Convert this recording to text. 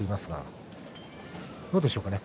どうでしょうかね